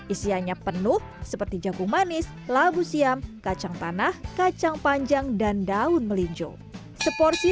isiannya penuh seperti jagung manis labu siam kacang tanah kacang panjang dan daun melinjo seporsi